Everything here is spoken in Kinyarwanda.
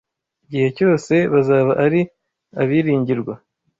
igihe cyose bazaba ari abiringirwa